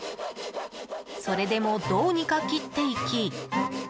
それでも、どうにか切っていき